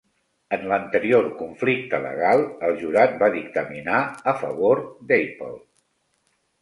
En l'anterior conflicte legal, el jurat va dictaminar a favor d'Apple.